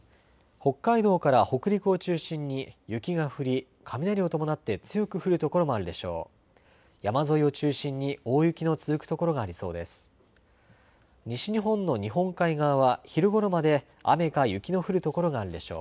北海道から北陸を中心に雪が降り雷を伴って強く降る所もあるでしょう。